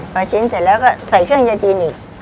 พอชิ้นเสร็จแล้วก็ใส่เครื่องยาจีนอีก